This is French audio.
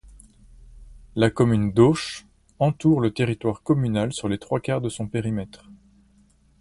La commune d'Auch entour le territoire communal sur les trois quarts de son périmètre.